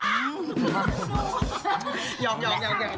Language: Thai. ในวัย๕๐ดี